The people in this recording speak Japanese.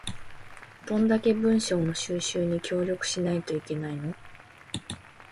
どんだけ文書の収集に協力しないといけないの